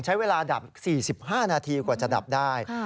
ใช้เวลาดับ๔๕นาทีกว่าจะดับได้